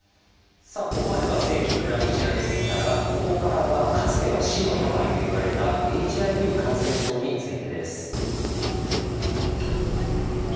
さあここまでは性器クラミジアでしたがここからはかつては「死の病」といわれたＨＩＶ感染症についてです。